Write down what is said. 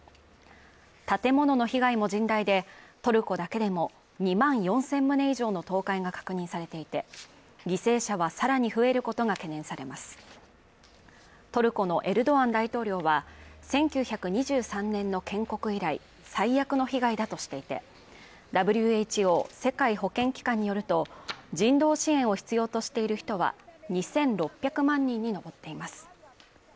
建物の被害も甚大でトルコだけでも２万４０００棟以上の倒壊が確認されていて犠牲者はさらに増えることが懸念されますトルコのエルドアン大統領は１９２３年の建国以来最悪の被害だとしていてＷＨＯ＝世界保健機関によると人道支援を必要としている人は２６００万人に上っています